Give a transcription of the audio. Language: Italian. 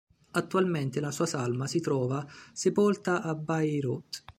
Attualmente la sua salma si trova sepolta a Bayreuth.